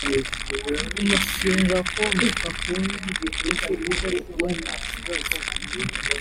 umushinga kuwomeka ku wundi bihuje intego ntakibazo